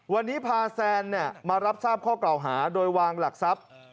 วันนี้พาแซนมารับทราบข้อกล่าวหาโดยวางหลักทรัพย์